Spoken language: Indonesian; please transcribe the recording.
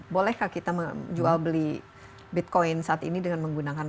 bolehkah kita menjual beli bitcoin saat ini dengan menggunakan